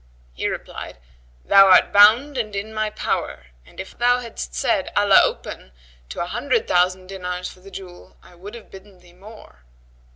He replied, "Thou art bound and in my power and if thou hadst said, Allah open! to an hundred thousand dinars for the jewel, I would have bidden thee more."